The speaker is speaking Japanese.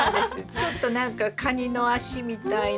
ちょっと何かカニの脚みたいな。